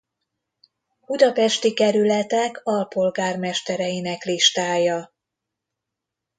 Budapesti kerületek alpolgármestereinek listája